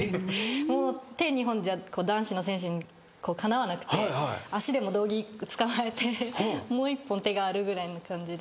もう手二本じゃ男子の選手にかなわなくて足でも道着つかまえてもう一本手があるぐらいの感じで。